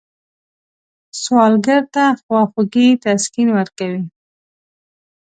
سوالګر ته خواخوږي تسکین ورکوي